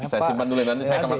saya simpan dulu nanti saya kembali